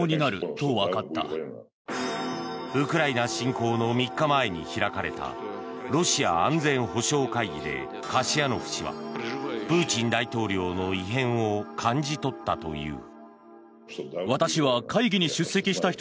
ウクライナ侵攻の３日前に開かれたロシア安全保障会議でカシヤノフ氏はプーチン大統領の異変を感じ取ったという。